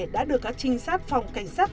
đã được các trinh sát phòng cảnh sát